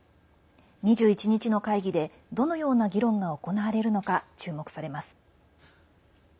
２１日の会議でどのような議論が行われるのか注目されます。